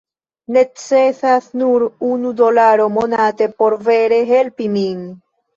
Necesas nur unu dolaro monate por vere helpi min